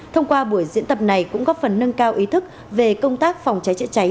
thông qua buổi diễn tập này cũng góp phần nâng cao ý thức về công tác phòng cháy chữa cháy